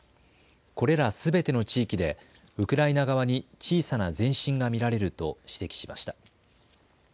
これらすべての地域でウクライナ側に小さな前進が見られると指摘しました。